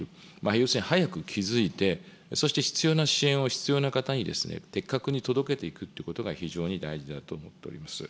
要するに早く気付いて、そして必要な支援を、必要な方に適格に届けていくっていうことが非常に大事だと思っております。